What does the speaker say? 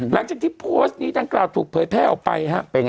หลังจากที่โพสต์นี้ดังกล่าวถูกเผยแพร่ออกไปฮะ